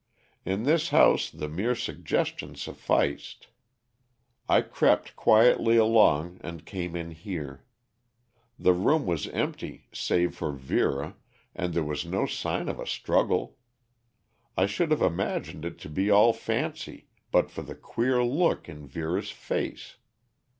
In this house the mere suggestion sufficed. I crept quietly along and came in here. The room was empty save for Vera and there was no sign of a struggle. I should have imagined it to be all fancy but for the queer look in Vera's face.